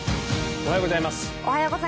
おはようございます。